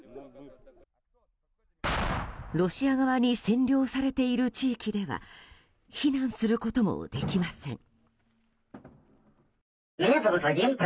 ロシア側に占領されている地域では避難することもできません。